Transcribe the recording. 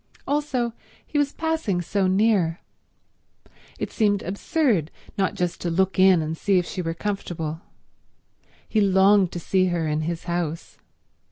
Also, he was passing so near. It seemed absurd not just to look in and see if she were comfortable. He longed to see her in his house.